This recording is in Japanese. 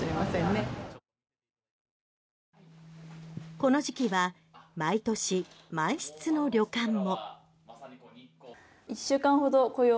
この時期は毎年満室の旅館も。